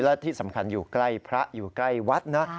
และที่สำคัญอยู่ใกล้พระอยู่ใกล้วัดนะ